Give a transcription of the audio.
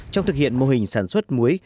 trong thực hiện mô hình sản xuất muối